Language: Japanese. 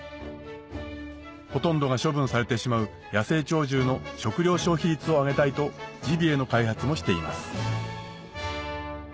ほとんどが処分されてしまう野生鳥獣の食料消費率を上げたいとジビエの開発もしています